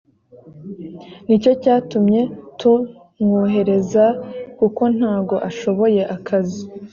ni cyo cyatumye tumwohereza kuko ntago ashoboye akazi